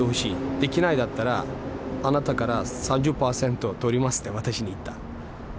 できないだったら、あなたから３０％取りますって、私に言った。